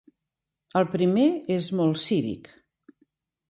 El primer és molt "cívic".